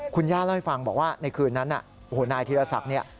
คุณย่าเล่าให้ฟังบอกว่าในคืนนั้นโอ้โหนายธีรศักดิ์เนี่ย